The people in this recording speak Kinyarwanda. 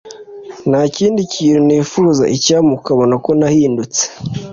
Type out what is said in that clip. nta kindi kintu nifuza icyampa ukabona ko nahindutse